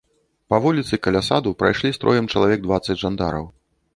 Па вуліцы, каля саду, прайшлі строем чалавек дваццаць жандараў.